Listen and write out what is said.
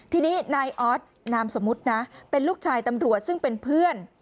ทีนี้นายออสนามสมมุตินะเป็นลูกชายตำรวจซึ่งเป็นเพื่อน